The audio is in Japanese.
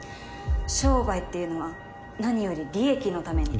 商売っていうのは何より利益のために。